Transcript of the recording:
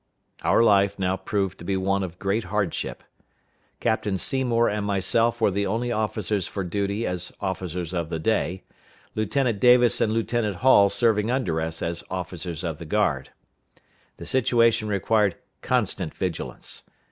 Our life now proved to be one of great hardship. Captain Seymour and myself were the only officers for duty as officers of the day, Lieutenant Davis and Lieutenant Hall serving under us as officers of the guard. The situation required constant vigilance.